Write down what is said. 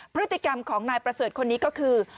พฤติกรรมของนายประเสริฐคนนี้ก็คือ